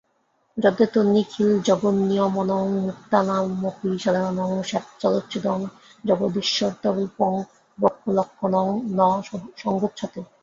যদ্যেতন্নিখিলজগন্নিয়মনং মুক্তানামপি সাধারণং স্যাৎ ততশ্চেদং জগদীশ্বরত্বরূপং ব্রহ্মলক্ষণং ন সঙ্গচ্ছতে।